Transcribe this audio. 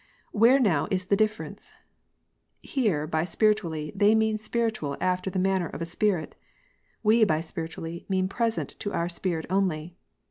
Where now is the difference? Here by spiritually, they mean spiritual after the manner of a spirit. We by spiritually, mean present to our spirit only.